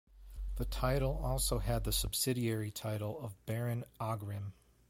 The title also had the subsidiary title of Baron Aghrim.